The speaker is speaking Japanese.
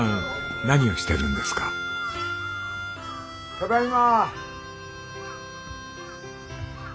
ただいま！